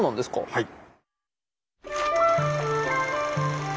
はい。